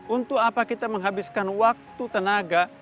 untuk apa kita menghabiskan waktu tenaga